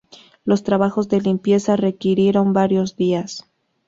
Los trabajos de limpieza requirieron varios días.